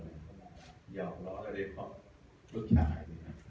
หยอกร้องกับเล็กครอบลูกชาย